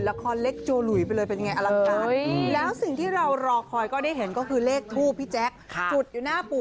ลือนี่เลยเห็นกันชัดนะ